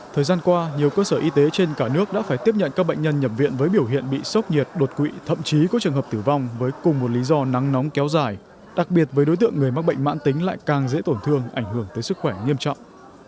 thời gian qua nhiều cơ sở y tế trên cả nước đã phải tiếp nhận các bệnh nhân nhập viện với biểu hiện bị sốc nhiệt đột quỵ thậm chí có trường hợp tử vong với cùng một lý do nắng nóng kéo dài đặc biệt với đối tượng người mắc bệnh mãn tính lại càng dễ tổn thương ảnh hưởng tới sức khỏe nghiêm trọng